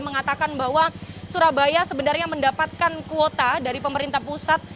mengatakan bahwa surabaya sebenarnya mendapatkan kuota dari pemerintah pusat